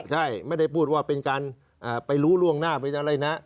ใช่ไม่ได้พูดว่าเป็นการไปรู้ล่วงหน้าเป็นอะไรนะ